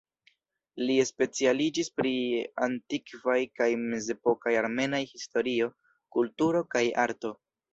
Li specialiĝis pri antikvaj kaj mezepokaj armenaj historio, kulturo kaj arto.